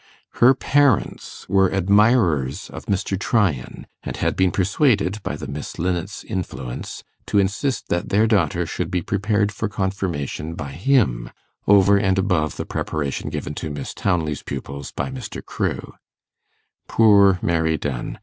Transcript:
Her parents were admirers of Mr. Tryan, and had been persuaded, by the Miss Linnets' influence, to insist that their daughter should be prepared for confirmation by him, over and above the preparation given to Miss Townley's pupils by Mr. Crewe. Poor Mary Dunn!